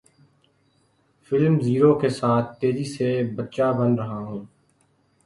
film Zero کے ساتھ تیزی سے بچہ بن رہا ہوں